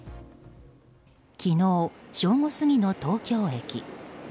昨日正午過ぎの東京駅。